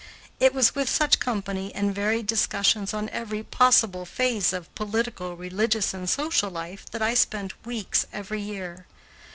It was with such company and varied discussions on every possible phase of political, religious, and social life that I spent weeks every year.